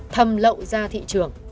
thầm lậu ra thị trường